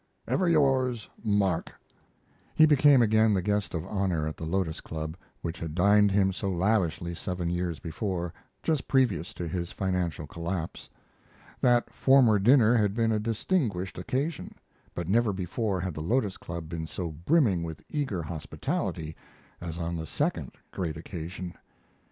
Ever yours, MARK. He became again the guest of honor at the Lotos Club, which had dined him so lavishly seven years before, just previous to his financial collapse. That former dinner had been a distinguished occasion, but never before had the Lotos Club been so brimming with eager hospitality as on the second great occasion.